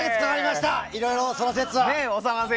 いろいろその節は。